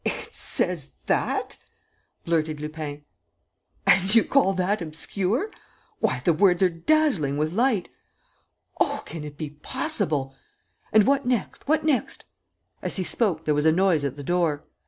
." "It says that?" blurted Lupin. "And you call that obscure? ... Why, the words are dazzling with light! ... Oh, can it be possible? ... And what next, what next?" As he spoke there was a noise at the door.